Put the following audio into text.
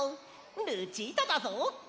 ルチータだぞ！